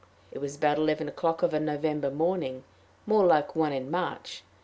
It was about eleven o'clock of a November morning more like one in March.